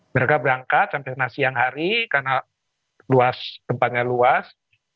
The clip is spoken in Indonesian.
mereka berangkat sampai siang hari karena tempatnya luas